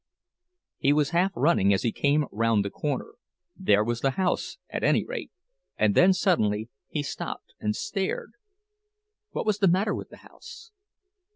He was half running as he came round the corner. There was the house, at any rate—and then suddenly he stopped and stared. What was the matter with the house?